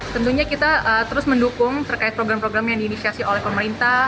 tentunya kita terus mendukung terkait program program yang diinisiasi oleh pemerintah